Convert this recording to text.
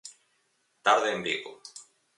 Tarde en Vigo.